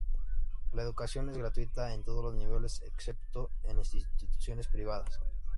La educación es gratuita en todos los niveles, excepto en las instituciones privadas.